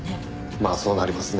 まあそうなりますね。